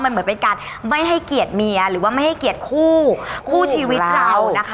มันเหมือนเป็นการไม่ให้เกียรติเมียหรือว่าไม่ให้เกียรติคู่คู่ชีวิตเรานะคะ